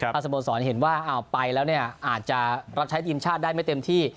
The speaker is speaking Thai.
ถ้าสโมสรเห็นว่าไปแล้วเนี่ยอาจจะรับใช้ทีมชาติได้ไม่เต็มที่